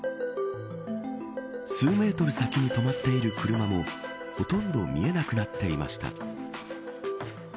数メートル先に止まっている車もほとんど見えなくなっていました。